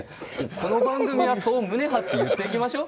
この番組はそう胸張って言っていきましょう。